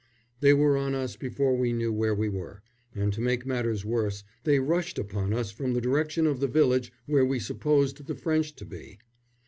They were on us before we knew where we were, and to make matters worse, they rushed upon us from the direction of the village where we supposed the French to be.